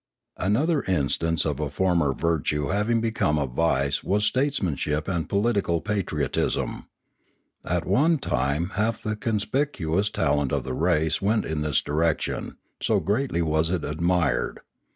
Another instance of a former virtue having become a vice was statesmanship and political patriotism. At one time half the conspicuous talent of the race went in this direction, so greatly was it admired.